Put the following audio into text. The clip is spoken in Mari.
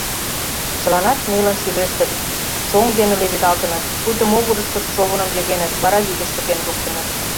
Чыланат нелын шӱлештыт, шоҥ дене леведалтыныт, пуйто могырышкышт шовыным йыгеныт, вара вӱдыш чыкен луктыныт.